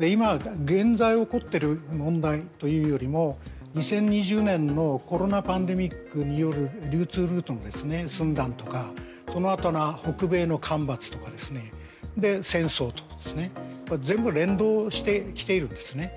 今現在起こっている問題というよりも２０２０年のコロナパンデミックによる流通ルートの寸断とかそのあとの北米の干ばつとか戦争とか全部連動してきているんですね。